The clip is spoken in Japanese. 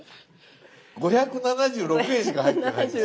５７６円しか入ってないんですけど。